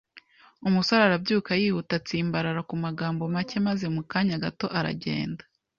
Umusore arabyuka yihuta, atsimbarara ku magambo make maze mu kanya gato aragenda.